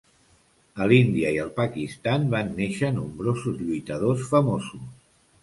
A l'Índia i el Pakistan van néixer nombrosos lluitadors famosos.